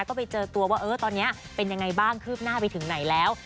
ก็ไปเจอตัวว่าเออตอนนี้เป็นยังไงบ้างคืบหน้าไปถึงไหนแล้ว